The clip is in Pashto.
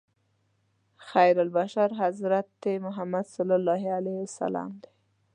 خیرالبشر حضرت محمد صلی الله علیه وسلم دی.